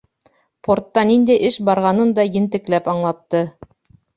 Портта ниндәй эш барғанын да ентекләп аңлатты.